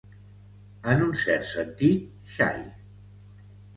En un cert sentit, xai.